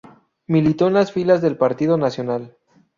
Militó en las filas del Partido Nacional.